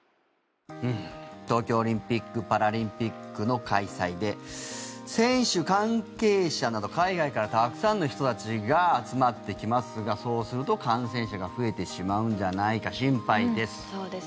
東京オリンピック・パラリンピックの開催で選手、関係者など海外からたくさんの人たちが集まってきますがそうすると感染者が増えてしまうんじゃないか心配です。